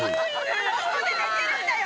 どこで寝てるんだよ！